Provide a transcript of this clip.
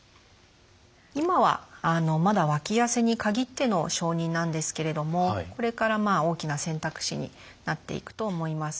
今はまだわき汗に限っての承認なんですけれどもこれから大きな選択肢になっていくと思います。